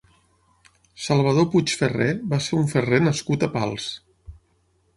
Salvador Puig Ferrer va ser un ferrer nascut a Pals.